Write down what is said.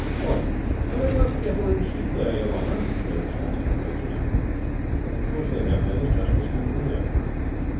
"What! have they got cattle and sheep there, your honor?" Denis asked incredulously. "Of course they have, Denis; just the same as we have."